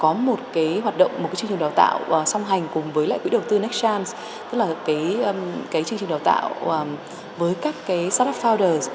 có một chương trình đào tạo song hành cùng với quỹ đầu tư nextchance tức là chương trình đào tạo với các startup founders